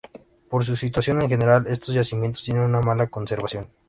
Por su situación en general estos yacimientos tiene una mala conservación.